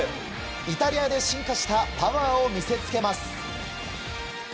イタリアで進化したパワーを見せつけます。